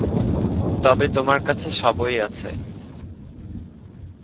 তবে তোমার কাছে সবই আছে।